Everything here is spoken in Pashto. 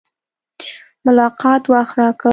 ملاقات وخت راکړ.